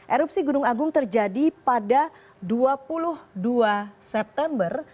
erupsi gunung agung terjadi pada dua puluh dua september